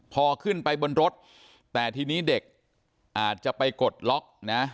พอขึ้นไปบนรถแต่ทีนี้เด็กอาจจะไปกดล็อกนะ